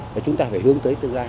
và chúng ta phải hướng tới tương lai